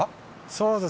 そうです。